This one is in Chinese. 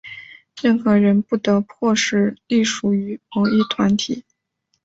任何人不得迫使隶属于某一团体。